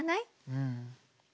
うん。